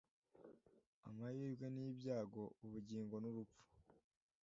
Amahirwe n’ibyago, ubugingo n’urupfu,